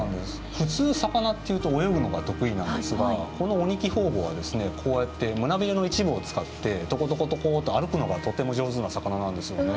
普通魚っていうと泳ぐのが得意なんですがこのオニキホウボウはですねこうやって胸びれの一部を使ってトコトコトコと歩くのがとっても上手な魚なんですよね。